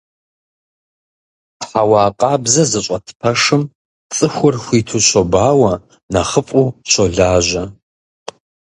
Хьэуа къабзэ зыщӀэт пэшым цӀыхур хуиту щобауэ, нэхъыфӀу щолажьэ.